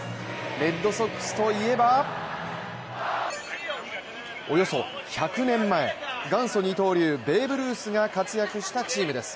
レッドソックスといえばおよそ１００年前、元祖二刀流、ベーブ・ルースが活躍したチームです。